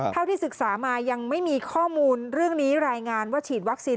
ที่ศึกษามายังไม่มีข้อมูลเรื่องนี้รายงานว่าฉีดวัคซีน